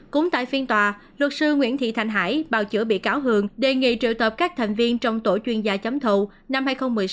cũng tại phiên tòa luật sư nguyễn thị thành hải bào chữa bị cáo hường đề nghị triệu tập các thành viên trong tổ chuyên gia chấm thù năm hai nghìn một mươi sáu hai nghìn một mươi tám